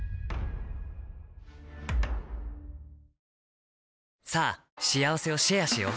マツコがさぁしあわせをシェアしよう。